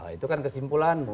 nah itu kan kesimpulan